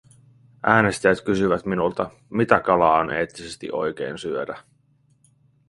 Äänestäjät kysyvät minulta, mitä kalaa on eettisesti oikein syödä.